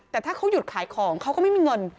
แต่ถ้าเขาหยุดขายของเขาก็ไม่มีเงิน